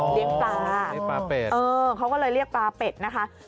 เลี้ยงปลาเออเขาก็เลยเรียกปลาเป็ดนะคะปลาเป็ด